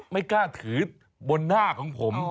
ไม่กล้าถือบนหน้าของผม